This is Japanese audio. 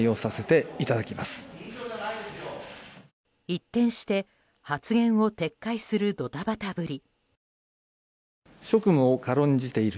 一転して発言を撤回するドタバタぶり。